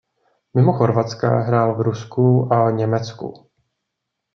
Mimo Chorvatska hrál v Rusku a Německu.